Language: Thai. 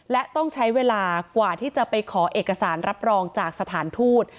และต้องใช้เวลากว่าที่จะไปขอเอกสารรับรองจากสถานทูต